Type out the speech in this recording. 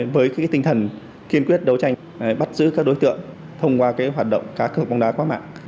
với tinh thần kiên quyết đấu tranh bắt giữ các đối tượng thông qua hoạt động cá cược bóng đá qua mạng